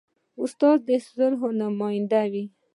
استاد د اصلاح نماینده وي.